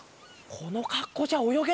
このかっこうじゃおよげないや。